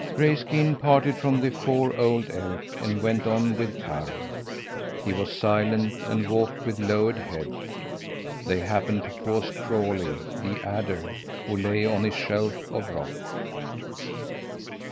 Grayskin parted from the four old elk, and went on with Karr. He was silent and walked with lowered head. They happened to pass Crawlie, the adder, who lay on his shelf of rock.